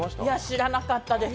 知らなかったです